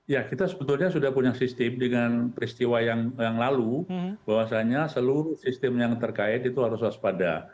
ya kita sebetulnya sudah punya sistem dengan peristiwa yang lalu bahwasannya seluruh sistem yang terkait itu harus waspada